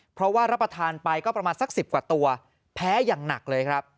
เพราะว่ารับประทานไปก็ประมาณสัก๑๐กว่าตัวแพ้อย่างหนักเลยครับ